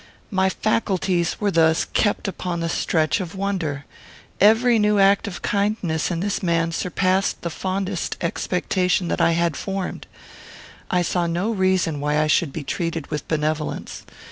My faculties were thus kept upon the stretch of wonder. Every new act of kindness in this man surpassed the fondest expectation that I had formed. I saw no reason why I should be treated with benevolence.